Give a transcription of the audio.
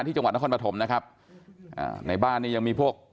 จังหวัดนครปฐมนะครับอ่าในบ้านนี้ยังมีพวก